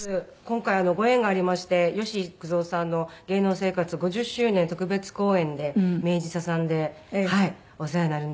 今回ご縁がありまして吉幾三さんの芸能生活５０周年特別公演で明治座さんでお世話になるんですけども。